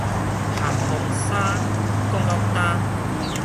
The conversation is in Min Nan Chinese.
咸豐三，講到今